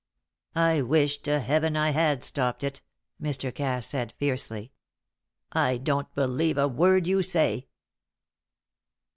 "I wish to Heaven I had stopped it!" Mr. Cass said, fiercely. "I don't believe a word you say!"